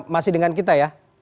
masih dengan kita ya